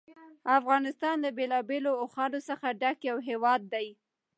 افغانستان له بېلابېلو اوښانو څخه ډک یو هېواد دی.